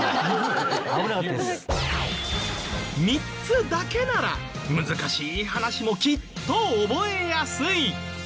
３つだけなら難しい話もきっと覚えやすい！